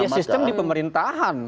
sistem di pemerintahan